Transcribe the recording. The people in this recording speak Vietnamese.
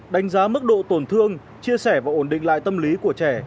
đánh giá mức độ tổn thương chia sẻ và ổn định lại tâm lý của trẻ